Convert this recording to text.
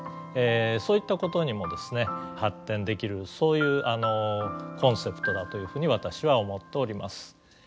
そういったことにもですね発展できるそういうコンセプトだというふうに私は思っております。